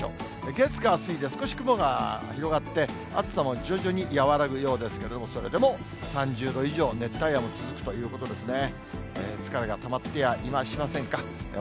月、火、水で少し雲が広がって、暑さも徐々に和らぐようですけれども、それでも３０度以上、熱帯夜も続くということですね。